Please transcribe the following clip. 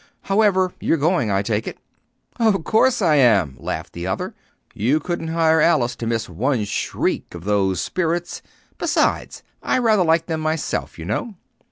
However, you're going, I take it." "Of course I am," laughed the other. "You couldn't hire Alice to miss one shriek of those spirits. Besides, I rather like them myself, you know."